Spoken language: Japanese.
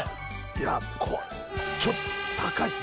いやこれちょっと高いっす